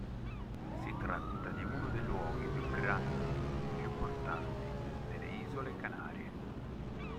Si tratta di uno dei luoghi più grandi e più importanti delle Isole Canarie.